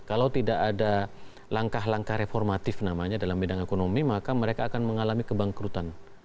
kalau tidak ada langkah langkah reformatif namanya dalam bidang ekonomi maka mereka akan mengalami kebangkrutan